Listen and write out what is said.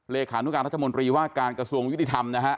เลขานุการรัฐมนตรีว่าการกระทรวงยุติธรรมนะฮะ